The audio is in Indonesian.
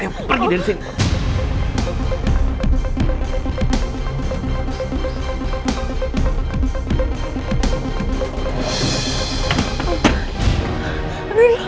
ayo pergi dari sini